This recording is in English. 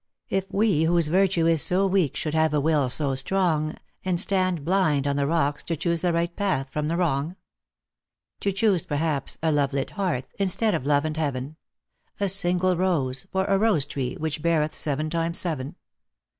If "we whose virtue is so weak should have a will so strong, And stand blind on the rocks to choose the right path from the wrong f To choose perhaps a lovelit hearth, instead of love and heaven, — A single rose, for a rose tree which beareth seven times seveu